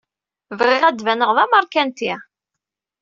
Bɣiɣ ad d-baneɣ d ameṛkanti.